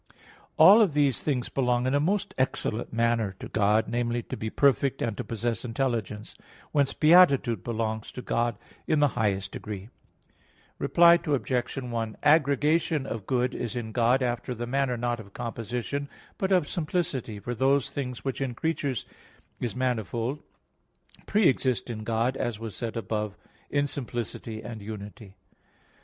All of these things belong in a most excellent manner to God, namely, to be perfect, and to possess intelligence. Whence beatitude belongs to God in the highest degree. Reply Obj. 1: Aggregation of good is in God, after the manner not of composition, but of simplicity; for those things which in creatures is manifold, pre exist in God, as was said above (Q. 4, A. 2; Q. 13, A. 4), in simplicity and unity.